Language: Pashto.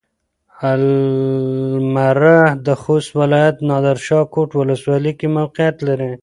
المره د خوست ولايت نادرشاه کوټ ولسوالۍ کې موقعيت لري.